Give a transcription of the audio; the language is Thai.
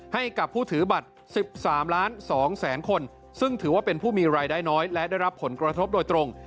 ให้กับผู้ถือบัตร๑๓ล้าน๒แสนคนซึ่งถือว่าเป็นผู้มีรายได้น้อยและได้รับผลกระทบโดยตรง